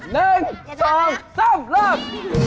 หนึ่งสองสามเริ่ม